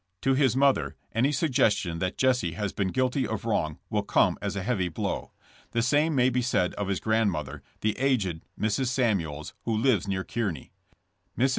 To his mother any suggestion that Jesse has been guilty of wrong will come as a heavy blow. The same may be said of his grandmother, the aged Mrs. Samuels, who lives near Kearney. Mrs.